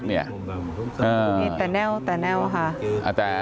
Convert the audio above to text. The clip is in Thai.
มีแต่แนวค่ะ